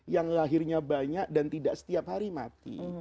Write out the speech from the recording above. yang lahirnya banyak dan tidak setiap hari mati